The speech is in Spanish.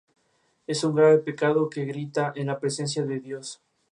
Sus piezas más características son, figuras aisladas y siempre vestidas.